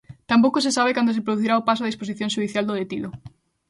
Tampouco se sabe cando se producirá o paso a disposición xudicial do detido.